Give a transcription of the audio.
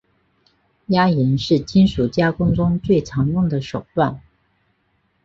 压延是金属加工中最常用的手段。